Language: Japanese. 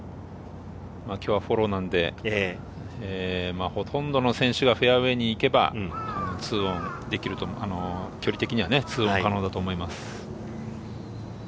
今日はフォローなので、ほとんどの選手がフェアウエーに行けば２オンできると、距離的には２オン可能だと思います。